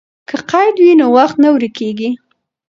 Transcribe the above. که قید وي نو وخت نه ورکېږي.